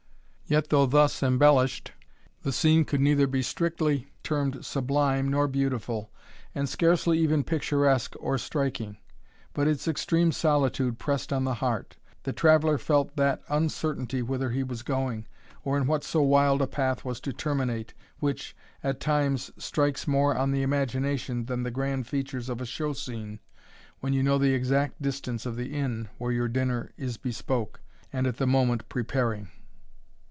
Yet, though thus embellished, the scene could neither be strictly termed sublime nor beautiful, and scarcely even picturesque or striking. But its extreme solitude pressed on the heart; the traveller felt that uncertainty whither he was going, or in what so wild a path was to terminate, which, at times, strikes more on the imagination than the grand features of a show scene, when you know the exact distance of the inn where your dinner is bespoke, and at the moment preparing.